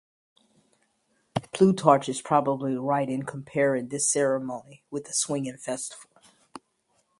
Plutarch is probably right in comparing this ceremony with the swinging-festival.